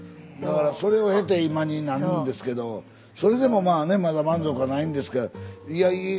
だからそれを経て今になるんですけどそれでもまあねまだ満足はないんですがいやいい